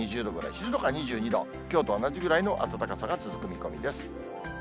静岡２２度、きょうと同じぐらいの暖かさが続く見込みです。